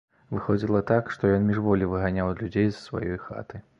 Выходзіла так, што ён міжволі выганяў людзей з сваёй хаты.